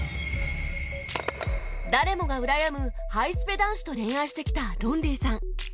誰もがうらやむハイスペ男子と恋愛してきたロンリーさん